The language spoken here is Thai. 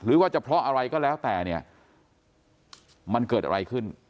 หรือว่าจะเพราะอะไรก็แล้วแต่เนี่ยมันเกิดอะไรขึ้น